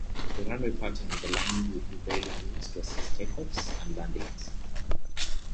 The runway pattern was aligned with prevailing winds to assist take-offs and landings.